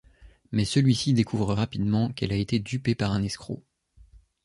Mais celui-ci découvre rapidement qu'elle a été dupée par un escroc.